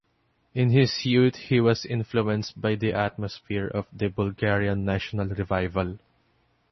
In his youth he was influenced by the atmosphere of the Bulgarian National Revival.